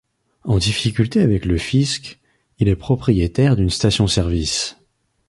En difficulté avec le fisc, il est propriétaire d'une station service.